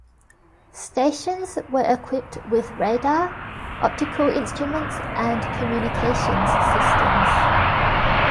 Stations were equipped with radar, optical instruments, and communications systems.